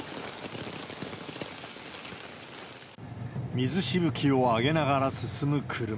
水しぶきを上げながら進む車。